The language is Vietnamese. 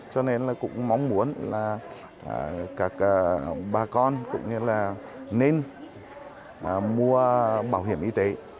cho nên là cũng mong muốn là các bà con cũng như là nên mua bảo hiểm y tế